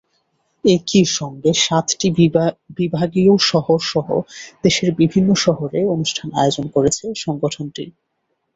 একই সঙ্গে সাতটি বিভাগীয় শহরসহ দেশের বিভিন্ন শহরে অনুষ্ঠান আয়োজন করেছে সংগঠনটি।